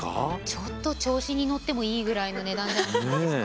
ちょっと調子に乗ってもいいぐらいの値段じゃないですか。